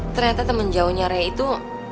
ternyata temen jauhnya rea itu